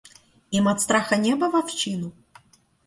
Им от страха небо в овчину?